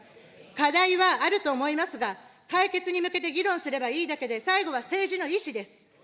課題はあると思いますが、解決に向けて議論すればいいだけで、最後は政治の意思です。